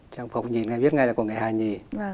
trang phục nhìn ngay biết ngay là của người hà nhì